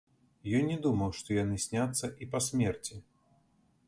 Ён не думаў, што яны сняцца і па смерці.